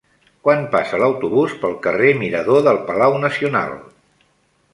Quan passa l'autobús pel carrer Mirador del Palau Nacional?